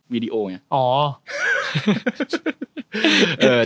วิดีโอเนี่ย